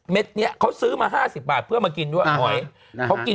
เม็ดเนี้ยเขาซื้อมาห้าสิบบาทเพื่อมากินด้วยอ่ะเขากิน